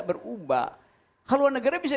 berubah haluan negara bisa